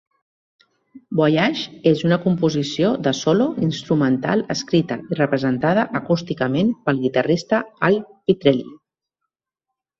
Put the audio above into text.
Voyage és una composició de solo instrumental escrita i representada acústicament pel guitarrista Al Pitrelli.